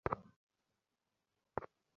ও স্রেফ একটা হাতিয়ার, স্যার।